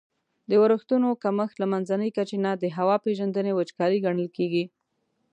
د اورښتونو کمښت له منځني کچي نه د هوا پیژندني وچکالي ګڼل کیږي.